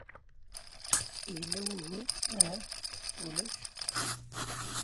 Yella wugur? Ah? Ulac.